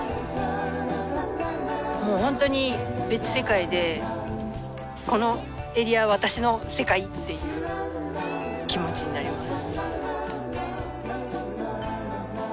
もう本当に別世界でこのエリアは私の世界っていう気持ちになります。